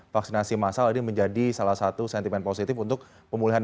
vaksinasi masal ini menjadi salah satu sentimen positif untuk pemulihan